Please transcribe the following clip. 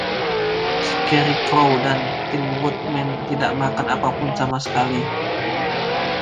Scarecrow dan Tin Woodman tidak makan apapun sama sekali.